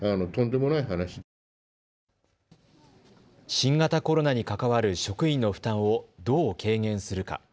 新型コロナに関わる職員の負担をどう軽減するか。